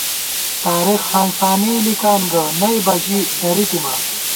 تارېخ ہانسانے لِکان گہ، نئ بہ ژی درِتِماں